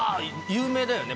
有名だよね